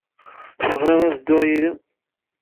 Tebɣid ad dduɣ yid-m?